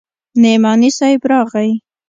نعماني صاحب راغى.